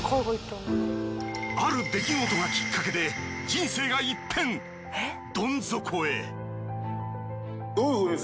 ある出来事がきっかけで人生が一変どん底へ。